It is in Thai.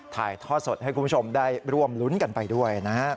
ถ่ายทอดสดให้คุณผู้ชมได้ร่วมรุ้นกันไปด้วยนะฮะ